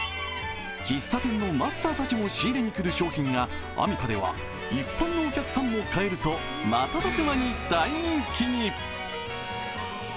喫茶店のマスターたちも仕入れに来る商品がアミカでは一般のお客さんも買えると瞬く間に大人気に。